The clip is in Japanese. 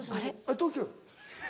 東京。